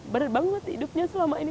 berat banget hidupnya selama ini